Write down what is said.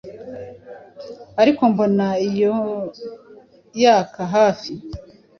Ariko mbona inyo yaka-hafi,